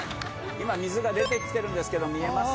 今水が出てきてるんですけど見えます？